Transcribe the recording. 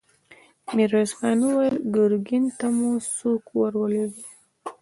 ميرويس خان وويل: ګرګين ته مو څوک ور ولېږه؟